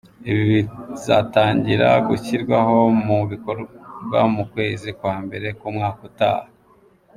Ibi bizatangira gushyirwa mu bikorwa mu kwezi kwa mbere k'umwaka utaha.